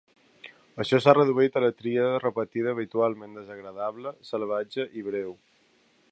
Això s'ha reduït a la tríada repetida habitualment "desagradable, salvatge i breu".